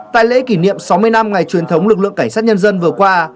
tại lễ kỷ niệm sáu mươi năm ngày truyền thống lực lượng cảnh sát nhân dân vừa qua